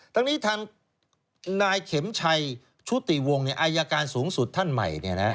ทั้งนี้ทางนายเข็มชัยชุติวงศ์อายการสูงสุดท่านใหม่